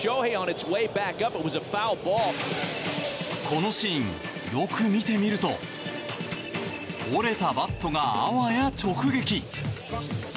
このシーン、よく見てみると折れたバットが、あわや直撃。